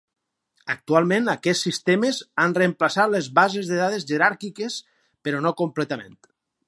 Actualment aquests sistemes han reemplaçat les bases de dades jeràrquiques però no completament.